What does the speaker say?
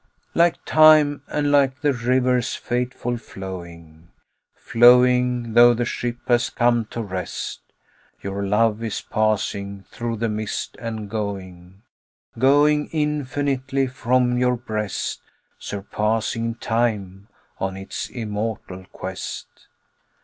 Like time, and like the river's fateful flowing, Flowing though the ship has come to rest, Your love is passing through the mist and going, Going infinitely from your breast, Surpassing time on its immortal quest.